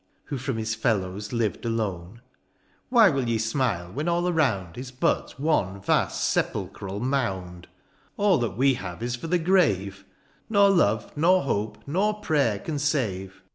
Who from his fellows lived alone, ^' Why will ye smile when all aroimd ^^ Is but one vast sepulchral mound ;^^ All that we have is for the grave, " Nor love, nor hope, nor prayer, can save.